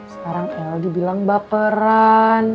sekarang el dibilang baperan